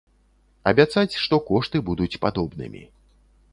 Абяцаць, што кошты будуць падобнымі.